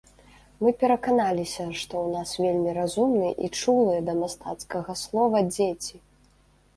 Мы пераканаліся, што ў нас вельмі разумныя і чулыя да мастацкага слова дзеці.